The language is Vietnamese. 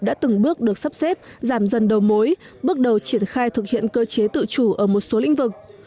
đã từng bước được sắp xếp giảm dần đầu mối bước đầu triển khai thực hiện cơ chế tự chủ ở một số lĩnh vực